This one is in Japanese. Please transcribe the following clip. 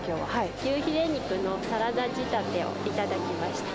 牛ヒレ肉のサラダ仕立てを頂きました。